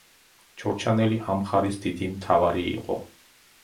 ჩორჩანელი ამ მხარის დიდი მთავარი იყო.